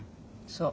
そう。